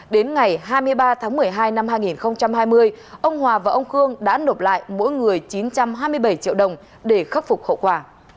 đến ngày hai mươi ba tháng một mươi hai năm hai nghìn hai mươi ông hòa và ông khương đã nộp lại mỗi người chín trăm hai mươi bảy triệu đồng để khắc phục hậu quả